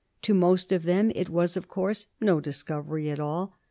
To most of them it was, of course, no discovery at all.